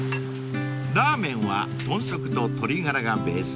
［ラーメンは豚足と鶏ガラがベース］